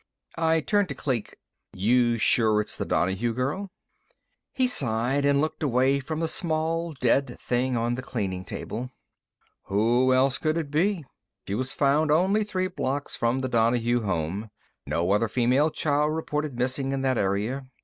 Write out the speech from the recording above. I turned to Kleek. "You sure it's the Donahue girl?" He sighed and looked away from the small dead thing on the cleaning table. "Who else could it be? She was found only three blocks from the Donahue home. No other female child reported missing in that area.